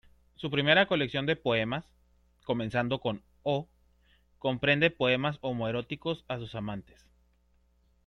Su primera colección de poemas, "comenzando con O", comprende poemas homoeróticos a sus amantes.